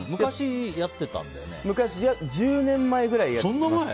昔、１０年前ぐらいにやってました。